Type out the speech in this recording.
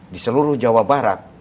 di seluruh jawa barat